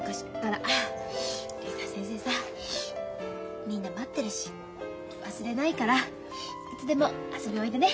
竜太先生さみんな待ってるし忘れないからいつでも遊びおいでね。